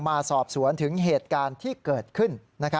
มาสอบสวนถึงเหตุการณ์ที่เกิดขึ้น